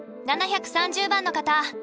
７３０番の方。